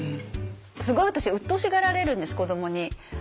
すごい私うっとうしがられるんです子どもに。